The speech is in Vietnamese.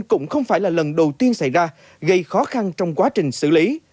cũng không phải là lần đầu tiên xảy ra gây khó khăn trong quá trình xử lý